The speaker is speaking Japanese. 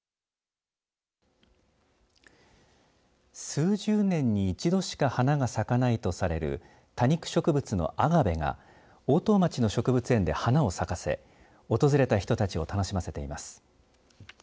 数十年に一度しか花が咲かないとされる多肉植物のアガベが大任町の植物園で花を咲かせ訪れた人たちを楽しませています。